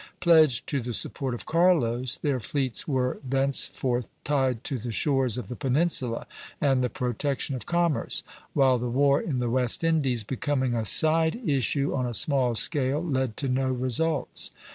Pledged to the support of Carlos, their fleets were thenceforth tied to the shores of the peninsula and the protection of commerce; while the war in the West Indies, becoming a side issue on a small scale, led to no results.